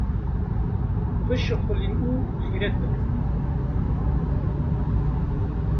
bişuxulin û xîretbikin.